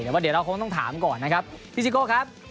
แต่ว่าเดี๋ยวเราคงต้องถามก่อนนะครับพี่ซิโก้ครับ